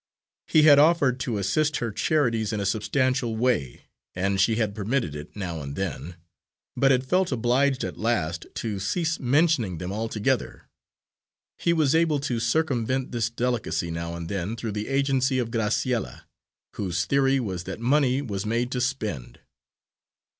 He had offered to assist her charities in a substantial way, and she had permitted it now and then, but had felt obliged at last to cease mentioning them altogether. He was able to circumvent this delicacy now and then through the agency of Graciella, whose theory was that money was made to spend.